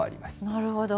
なるほど。